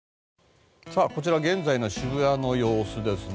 こちらは現在の渋谷の様子ですね。